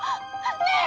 ねえ！